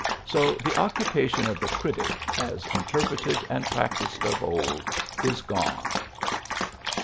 So the occupation of the critic, as interpreted and practised of old, is gone.